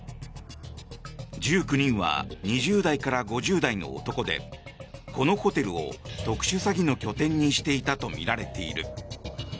１９人は２０代から５０代の男でこのホテルを特殊詐欺の拠点にしていたとみられている。